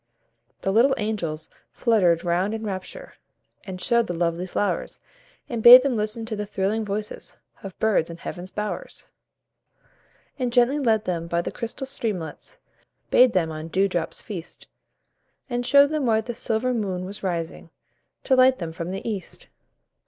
The little angels fluttered round in rapture, And showed the lovely flowers, And bade them listen to the thrilling voices Of birds in Heaven's bowers. And gently led them by the crystal streamlets, Bade them on dewdrops feast, And showed them where the silver moon was rising To light them from the east.